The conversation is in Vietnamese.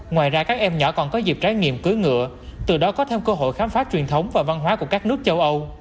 ngoài ra các em nhỏ còn có dịp trái nghiệm cưới ngựa từ đó có thêm cơ hội khám phá truyền thống và văn hóa của các nước châu âu